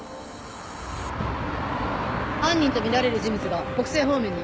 犯人とみられる人物が北西方面に。